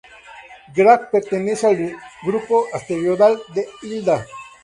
Graff pertenece al grupo asteroidal de Hilda.